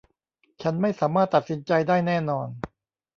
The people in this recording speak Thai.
ฉันไม่สามารถตัดสินใจได้แน่นอน